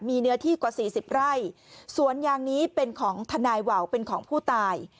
มีเนื้อที่กว่าสี่สิบไร่สวนยางนี้เป็นของทนายว่าวเป็นของผู้ตาย